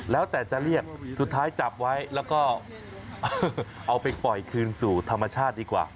แล้วแต่จะเรียกสุดท้ายจับไว้แล้วก็เอาไปปล่อยคืนสู่ธรรมชาติดีกว่า